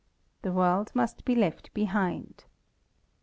The world must be left behind.